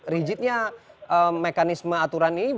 rigidnya mekanisme aturan ini